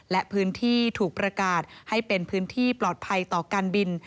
และพื้นที่ถูกประกาศให้เป็นพื้นที่ปลอดภัยต่อการบิน